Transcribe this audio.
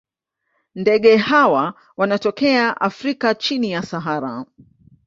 Ndege hawa wanatokea Afrika chini ya Sahara.